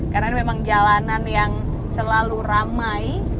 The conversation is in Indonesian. karena memang jalanan yang selalu ramai